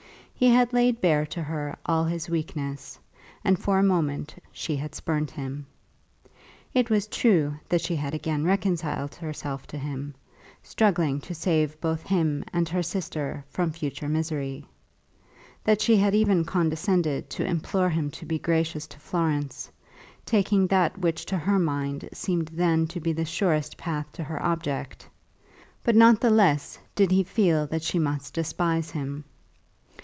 He had laid bare to her all his weakness, and for a moment she had spurned him. It was true that she had again reconciled herself to him, struggling to save both him and her sister from future misery, that she had even condescended to implore him to be gracious to Florence, taking that which to her mind seemed then to be the surest path to her object; but not the less did he feel that she must despise him.